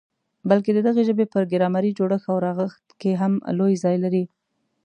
بلکي د دغي ژبي په ګرامري جوړښت او رغښت کي هم لوی ځای لري.